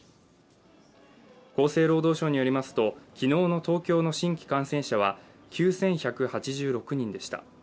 厚生労働省によりますと、昨日の東京の新規感染者は９１８６人でした。